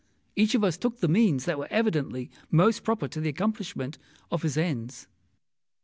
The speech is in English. Each of us took the means that were evidently most proper to the accomplishment of his ends.